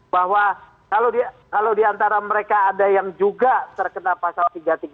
bahwa kalau diantara mereka ada yang juga terkena pasal tiga ratus tiga puluh